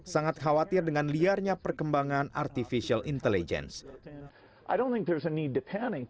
sangat khawatir dengan liarnya perkembangan artificial intelligence